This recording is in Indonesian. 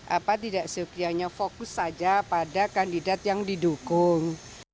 apa tidak seukianya fokus saja pada kandidat yang didukung